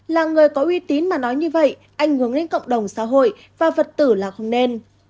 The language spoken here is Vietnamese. là người có uy tín mà nói như vậy ảnh hưởng đến cộng đồng xã hội và phật tử là không nên